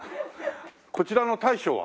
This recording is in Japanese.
こちらの大将は？